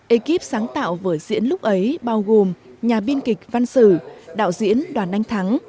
ekip sáng tạo vở diễn lúc ấy bao gồm nhà biên kịch văn sử đạo diễn đoàn anh thắng